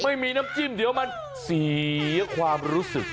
ไม่มีน้ำจิ้มเดี๋ยวมันเสียความรู้สึก